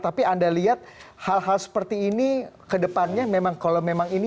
tapi anda lihat hal hal seperti ini kedepannya memang kalau memang ini